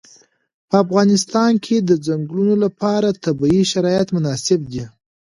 په افغانستان کې د ځنګلونه لپاره طبیعي شرایط مناسب دي.